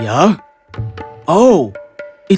kapan kau kembali